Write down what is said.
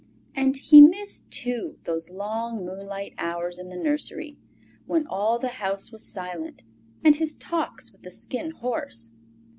And he missed, too, those long moonlight hours in the nursery, when all the house was silent, and his talks with the Skin Horse.